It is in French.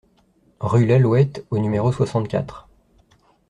Rue Lallouette au numéro soixante-quatre